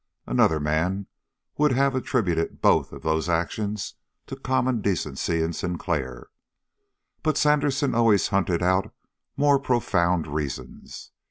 Another man would have attributed both of those actions to common decency in Sinclair, but Sandersen always hunted out more profound reasons.